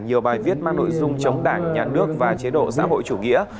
nhiều bài viết mang nội dung chống đảng nhà nước và chế độ xã hội chủ nghĩa